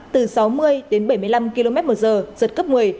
từ sáu mươi đến bảy mươi năm km một giờ giật cấp một mươi